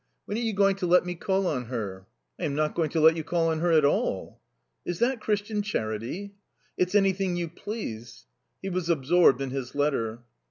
When are you going to let me call on her?" "I am not going to let you call on her at all." "Is that Christian charity?" "It's anything you please." He was absorbed in his letter. Mrs.